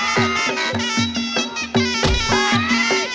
สุดยอด